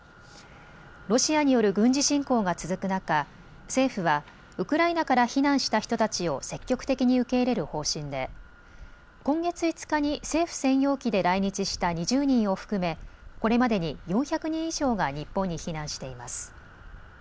ロシアによる軍事侵攻が続く中、政府はウクライナから避難した人たちを積極的に受け入れる方針で今月５日に政府専用機で来日した２０人を含めこれまでに４００人以上が日本に避難しています。